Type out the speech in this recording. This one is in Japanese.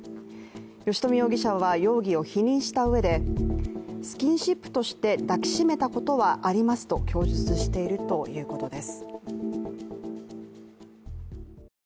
吉冨容疑者は容疑を否認したうえで、スキンシップとして抱きしめたことはありますと供述しているということです。